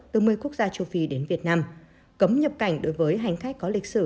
từ một mươi quốc gia châu phi đến việt nam cấm nhập cảnh đối với hành khách có lịch sử